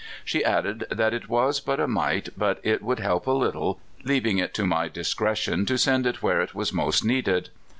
She added that it was but a mite, but it would help a little, leaving it to my discretion to send it where it w^as most needed.